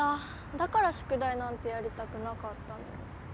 だからしゅくだいなんてやりたくなかったのに。